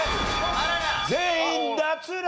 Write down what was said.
全員脱落。